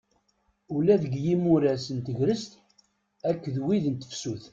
Ula deg yimuras n tegrest akked wid n tefsut.